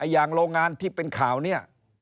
อย่างโรงงานที่เป็นข่าวเนี่ย